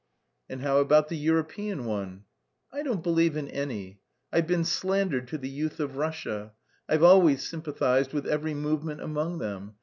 "And how about the European one?" "I don't believe in any. I've been slandered to the youth of Russia. I've always sympathised with every movement among them.